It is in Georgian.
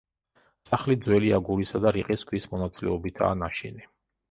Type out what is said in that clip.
სახლი ძველი აგურისა და რიყის ქვის მონაცვლეობითაა ნაშენი.